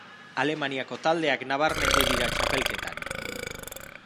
Alemaniako taldeak nabarmendu dira txapelketan.